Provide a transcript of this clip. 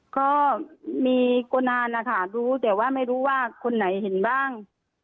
ก็มีโกนานนะคะรู้แต่ว่าไม่รู้ว่าคนไหนเห็นบ้าง